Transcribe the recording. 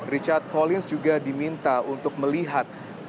richard holils juga diminta untuk melihat